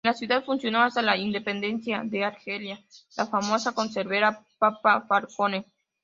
En la ciudad funcionó hasta la independencia de Argelia la famosa conservera Papa Falcone.